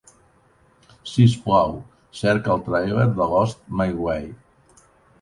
Sisplau, cerca el tràiler de Lost My Way.